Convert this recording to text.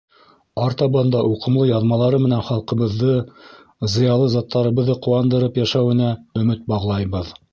Артабан да уҡымлы яҙмалары менән халҡыбыҙҙы, зыялы заттарыбыҙҙы ҡыуандырып йәшәүенә өмөт бағлайбыҙ.